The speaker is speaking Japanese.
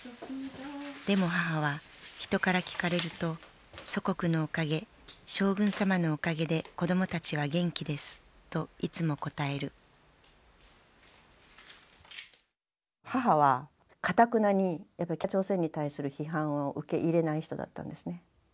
でも母は人から聞かれると祖国のおかげ将軍様のおかげで子どもたちは元気ですといつも答える母はかたくなに北朝鮮に対する批判を受け入れない人だったんですね。